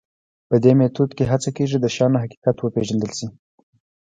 په دې میتود کې هڅه کېږي د شیانو حقیقت وپېژندل شي.